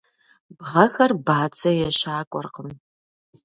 Бгъэхэр бадзэ ещакӏуэркъым.